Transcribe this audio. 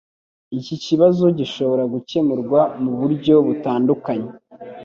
Iki kibazo gishobora gukemurwa muburyo butandukanye